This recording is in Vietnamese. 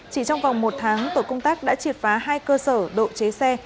chỉ trong vòng một tháng tội công tác đã triệt phá hai cơ sở độ chế xe